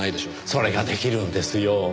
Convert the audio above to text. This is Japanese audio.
それが出来るんですよ。